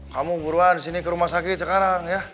kamu buruan sini ke rumah sakit sekarang ya